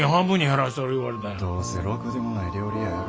どうせろくでもない料理屋やろ。